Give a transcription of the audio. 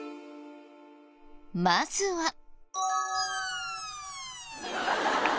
まずは。